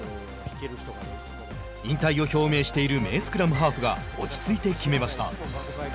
引退を表明している名スクラムハーフが落ち着いて決めました。